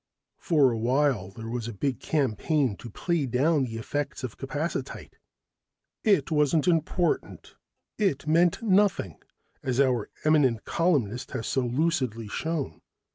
For a while, there was a big campaign to play down the effects of capacitite. It wasn't important. It meant nothing, as our eminent columnist has so lucidly shown.